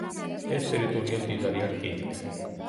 ეს ტერიტორია მდიდარია რკინით.